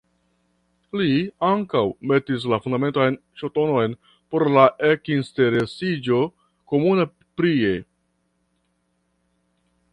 Li ankaŭ metis la fundamentan ŝtonon por la ekinsteresiĝo komuna prie.